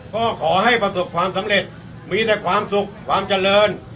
ก็ขอให้ประสบความสำเร็จมีแต่ความสุขความเจริญ